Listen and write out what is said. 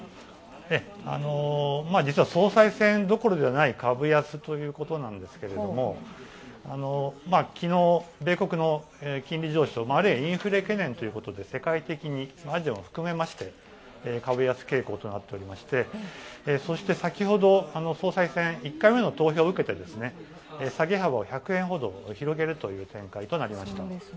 実は、総裁選どころではない株安ということなんですけどもきのう、米国の金利情勢あるいはインフレ懸念ということで世界的にアジアを含めまして株安傾向となっておりましてそして、先ほど、総裁選１回目の投票を受けて、下げ幅を１００円ほど広げるという展開となりました。